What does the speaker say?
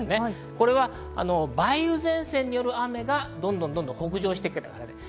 これは梅雨前線による雨がどんどん北上してくるわけです。